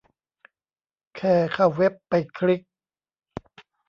แค่เข้าเว็บไปคลิก